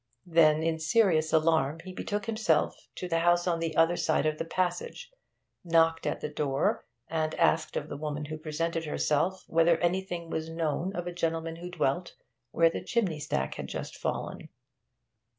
Then, in serious alarm, he betook himself to the house on the other side of the passage, knocked at the door, and asked of the woman who presented herself whether anything was known of a gentleman who dwelt where the chimney stack had just fallen.